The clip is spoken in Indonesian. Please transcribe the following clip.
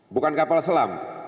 bukan kapal selam